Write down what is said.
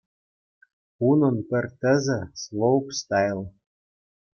Унӑн пӗр тӗсӗ -- слоупстайл.